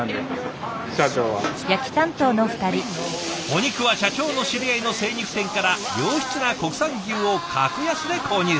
お肉は社長の知り合いの精肉店から良質な国産牛を格安で購入。